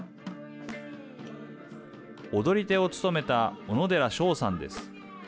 踊り手を務めた小野寺翔さんです。